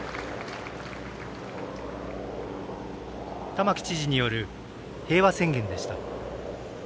玉城知事による平和宣言でした。